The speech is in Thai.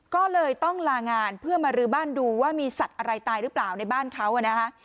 ก็เลยต้องลางานเพื่อมารื้อบ้านดูว่ามีสัตว์อะไรตายหรือเปล่าในบ้านเขานะคะ